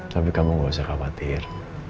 tapi kamu nggak usah khawatir